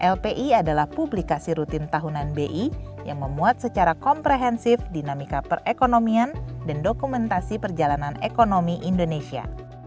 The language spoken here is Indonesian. lpi adalah publikasi rutin tahunan bi yang memuat secara komprehensif dinamika perekonomian dan dokumentasi perjalanan ekonomi indonesia